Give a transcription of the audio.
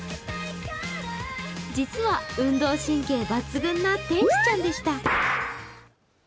実は、運動神経抜群な天使ちゃんでした。